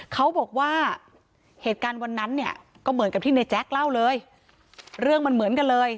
เขาบอกว่าเหตุการณ์วันนั้นเนี่ยก็เหมือนกับที่ในแจ๊คเล่าเลยเรื่องมันเหมือนกันเลย